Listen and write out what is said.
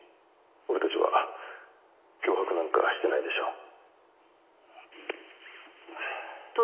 俺たちは脅迫なんかしてないでしょう？